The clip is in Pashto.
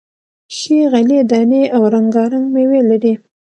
ښې غلې دانې او رنگا رنگ میوې لري،